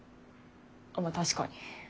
まあ確かに。